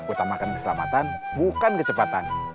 utamakan keselamatan bukan kecepatan